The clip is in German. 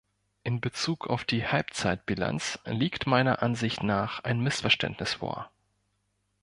In Bezug auf die Halbzeitbilanz liegt meiner Ansicht nach ein Missverständnis vor.